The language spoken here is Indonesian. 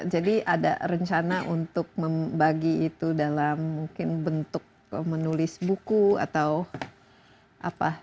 jadi ada rencana untuk membagi itu dalam mungkin bentuk menulis buku atau apa